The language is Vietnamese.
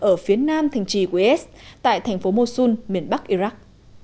ở phía nam thành trì của is tại thành phố mosun miền bắc iraq